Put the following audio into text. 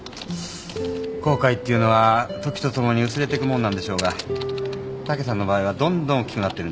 後悔っていうのは時と共に薄れてくもんなんでしょうが武さんの場合はどんどん大きくなってるんじゃないすか？